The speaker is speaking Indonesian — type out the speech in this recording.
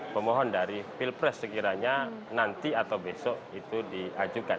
pemohon dari pilpres sekiranya nanti atau besok itu diajukan